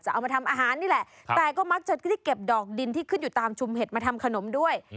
เอามาทำอาหารนี่แหละแต่ก็มักจะได้เก็บดอกดินที่ขึ้นอยู่ตามชุมเห็ดมาทำขนมด้วย